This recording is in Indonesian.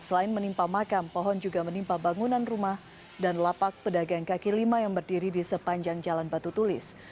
selain menimpa makam pohon juga menimpa bangunan rumah dan lapak pedagang kaki lima yang berdiri di sepanjang jalan batu tulis